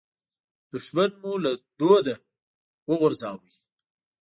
دوښمن مو له دوده وغورځاوو.